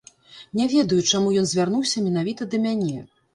Не ведаю, чаму ён звярнуўся менавіта да мяне.